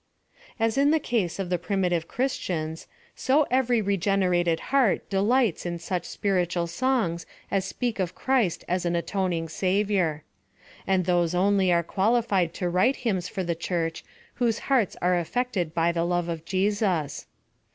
As in the case of the primitive christians, so every regenerated heart delights in such spiritual songs as speak of Christ as an atoning Savior. And those only are qualified to write hymns for the church whose hearts are affected by the love of Jesus.